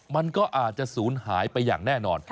มันก็อาจจะศูนย์หายไปอย่างแน่นอน